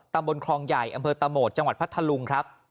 ตำบลคลองใหญ่อำเภอตะโหมดจังหวัดพัทธลุงครับ